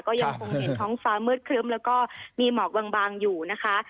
ก็ยังคงเห็นท้องฟ้ามืดครึ้มแล้วก็มีหมอกบางอยู่นะคะ